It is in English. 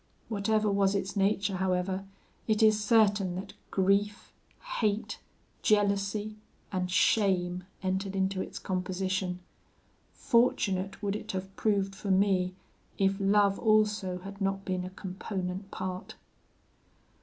Whatever was its nature, however, it is certain that grief, hate, jealousy, and shame entered into its composition. Fortunate would it have proved for me if love also had not been a component part!